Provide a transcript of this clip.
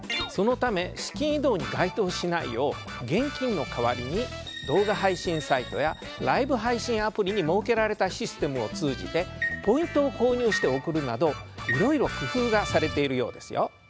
そのため資金移動に該当しないよう現金の代わりに動画配信サイトやライブ配信アプリに設けられたシステムを通じてポイントを購入して送るなどいろいろ工夫がされているようですよ。